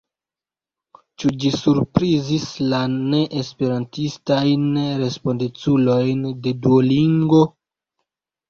Ĉu ĝi surprizis la neesperantistajn respondeculojn de Duolingo?